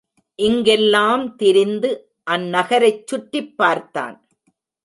இங்கெல்லாம் திரிந்து அந் நகரைச் சுற்றிப் பார்த்தான்.